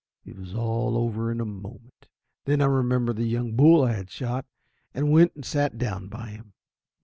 It was all over in a moment; then I remembered the young bull I had shot, and went and sat down by him.